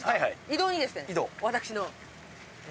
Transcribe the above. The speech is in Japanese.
移動にですね。